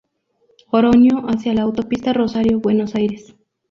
Oroño hacia la Autopista Rosario-Buenos Aires.